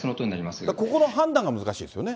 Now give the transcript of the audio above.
ここの判断が難しいですよね。